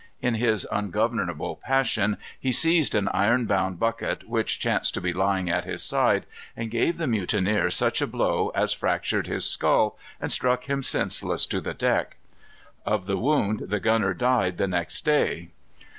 In his ungovernable passion he seized an iron bound bucket, which chanced to be lying at his side, and gave the mutineer such a blow as fractured his skull and struck him senseless to the deck. Of the wound the gunner died the next day.